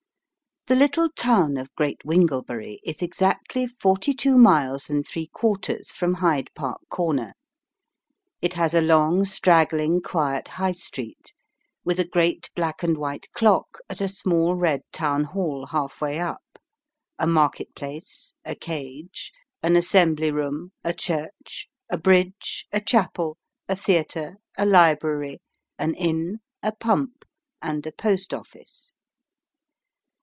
THE little town of Great Winglebury is exactly forty two miles and three quarters from Hyde Park Corner. It has a long, straggling, quiet High Street, with a great black and white clock at a small red Town hall, half way up a market place a cage an assembly room a church a bridge a chapel a theatre a library an inn a pump and a Post office.